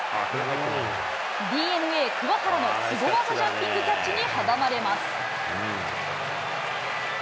ＤｅＮＡ、桑原のスゴ技ジャンピングキャッチに阻まれます。